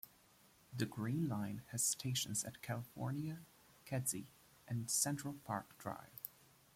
The Green Line has stations at California, Kedzie, and Central Park Drive.